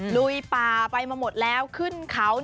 ลุยป่าไปมาหมดแล้วขึ้นเขา